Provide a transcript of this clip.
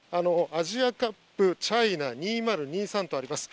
アジアカップチャイナ２０２３とあります。